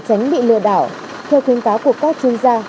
tránh bị lừa đảo theo khuyến cáo của các chuyên gia